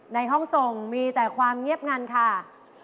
ในห้องส่งมีแต่ความเงียบงันค่ะ